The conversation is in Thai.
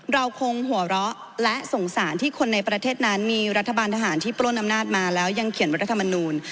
เราคงหัวเราะและสงสารที่คนในประเทศนั้นมีรัฐบาลทหารที่ปล้นอำนาจมาแล้วยังเขียนรัฐมนูล